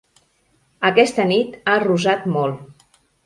Aquesta nit ha rosat molt.